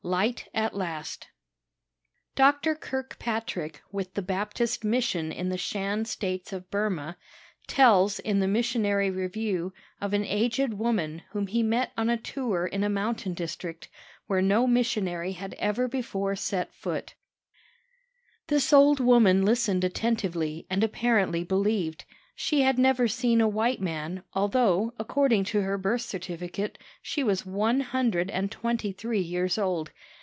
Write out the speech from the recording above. LIGHT AT LAST Dr. Kirkpatrick, with the Baptist Mission in the Shan States of Burma, tells in the Missionary Review of an aged woman whom he met on a tour in a mountain district, where no missionary had ever before set foot: "This old woman listened attentively, and apparently believed. She had never seen a white man, although, according to her birth certificate, she was one hundred and twenty three years old.